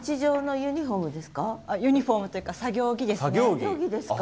ユニフォームというか作業着ですか。